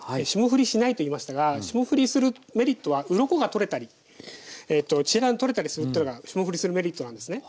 霜降りしないと言いましたが霜降りするメリットはウロコが取れたりえっと血が取れたりするってのが霜降りするメリットなんですね。